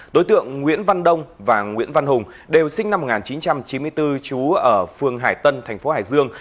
đối tượng nguyễn văn đông và nguyễn văn hùng đều sinh năm một nghìn chín trăm chín mươi bốn trú ở phường hải tân thành phố hải dương